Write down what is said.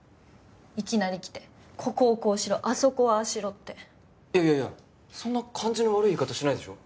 いきなり来てここをこうしろあそこをああしろっていやいやいやそんな感じの悪い言い方してないでしょ